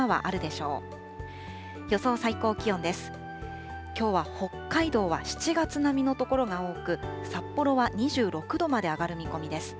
きょうは北海道は７月並みの所が多く、札幌は２６度まで上がる見込みです。